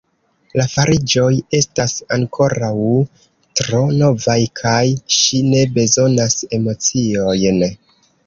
La fariĝoj estas ankoraŭ tro novaj; kaj ŝi ne bezonas emociojn.